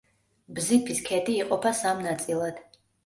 ბზიფის ქედი იყოფა სამ ნაწილად.